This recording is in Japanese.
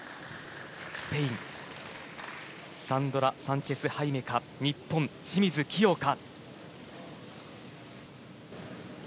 スペインサンドラ・サンチェス・ハイメか日本、清水希容か。